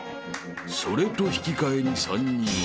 ［それと引き換えに３人は］